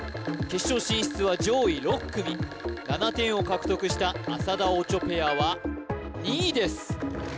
決勝進出は上位６組７点を獲得した浅田・オチョペアは２位です